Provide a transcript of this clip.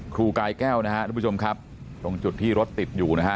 ครูกายแก้วนะฮะทุกผู้ชมครับตรงจุดที่รถติดอยู่นะฮะ